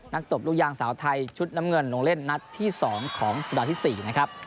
ตบลูกยางสาวไทยชุดน้ำเงินลงเล่นนัดที่๒ของสัปดาห์ที่๔นะครับ